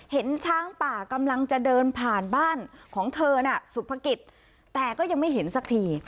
เห็นช้างป่ากำลังจะเดินผ่านบ้านของเธอน่ะสุภกิจแต่ก็ยังไม่เห็นสักที